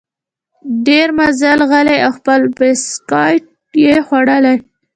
ډېر مزل غلی او خپل بسکیټ یې خوړل.